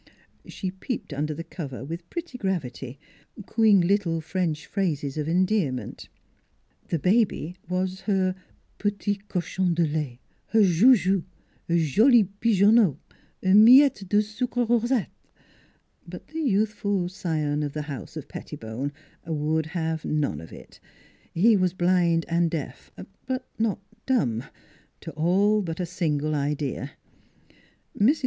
She peeped under the cover with pretty gravity, cooing little French phrases of endearment. The baby was her petit cochon de lait, her joujou, her joli pigeonneau, her miette de sucre rosat. But the youthful scion of the house of Pettibone would have none of it; he was blind and deaf but not dumb to all but a single idea. Mrs.